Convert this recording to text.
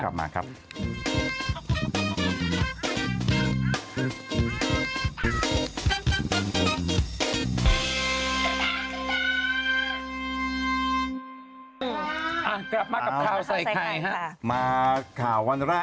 กลับมากับข่าวใส่ไข่